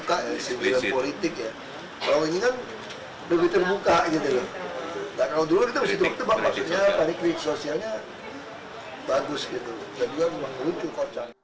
jadi aku mau kunjung kocok